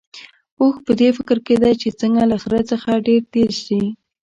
اوښ په دې فکر کې دی چې څنګه له خره څخه ډېر تېز شي.